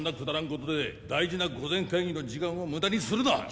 だらんことで大事な御前会議の時間を無駄にするな！